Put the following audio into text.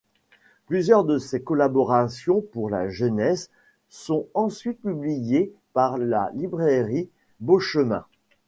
Plusieurs de ses collaborations pour la jeunesse sont ensuite publiées par la Librairie Beauchemin.